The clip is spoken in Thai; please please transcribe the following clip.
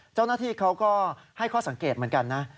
เจ้าหน้าที่เขาก็ให้ข้อสังเกตเหมือนกันนะ